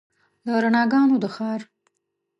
د رڼاګانو د ښار